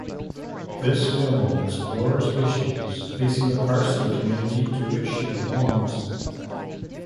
This film explores issues facing the Parsi community to which she belongs.